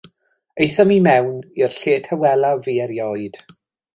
Aethom i mewn, i'r lle tawelaf fu erioed.